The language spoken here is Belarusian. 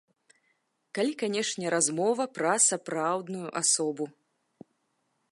Калі, канешне, размова пра сапраўдную асобу.